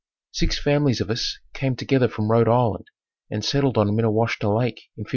Six families of us came together from Rhode Island and settled on Minnewashta Lake in '54.